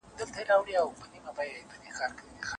لکه کوچۍ پر ګودر مسته جګه غاړه ونه